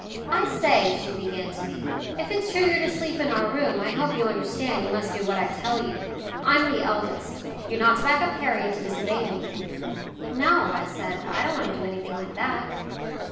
"I say," she began to me, "if it's true you're to sleep in our room I hope you understand you must do what I tell you. I'm the eldest. You're not to back up Harriet to disobey me." "No," I said. "I don't want to do anything like that."